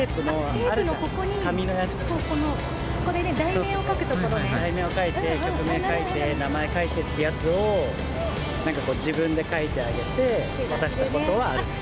テープのここに、ここ、題名を書いて、曲名書いて、名前書いてっていうやつを、なんかこう、自分で書いてあげて、渡したことはあります。